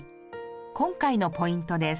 今回のポイントです。